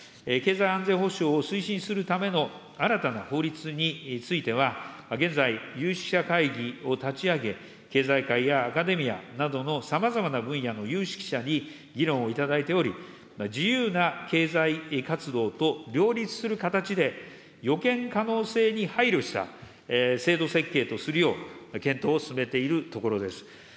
経済安全保障を推進するための新たな法律については、現在、有識者会議を立ち上げ、経済界やアカデミアなどのさまざまな分野の有識者に議論をいただいており、自由な経済活動と両立する形で、予見可能性に配慮した制度設計とするよう検討を進めているところです。